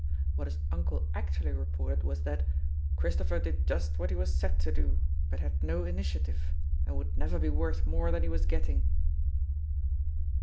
What his uncle actually reported was that "Christopher did just what he was set to do, but had no initiative, and would never be worth more than he was getting.